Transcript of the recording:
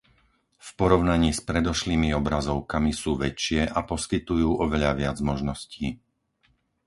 V porovnaní s predošlými obrazovkami sú väčšie a poskytujú oveľa viac možností.